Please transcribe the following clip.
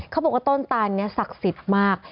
เขาบอกว่าต้นตานนี้ศักดิ์สิทธิ์มาก